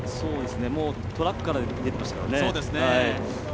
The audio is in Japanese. トラックから出ていましたからね。